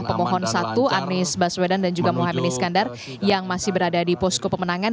pemohon satu anies baswedan dan juga mohamad iskandar yang masih berada di posko pemenangan